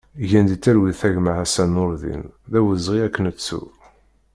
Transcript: Gen di talwit a gma Ḥassan Nureddin, d awezɣi ad k-nettu!